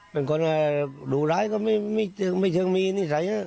เป็นคนดุร้ายก็ไม่เชิงมีนิสัย